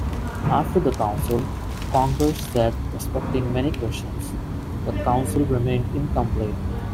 After the council, Congar said respecting many questions, the council remained incomplete.